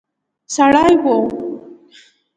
سړی وو.